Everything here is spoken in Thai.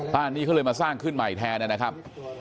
นี้เขาเลยมาสร้างขึ้นใหม่แทนนะครับ